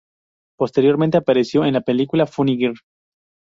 Posteriormente, apareció en la película Funny Girl.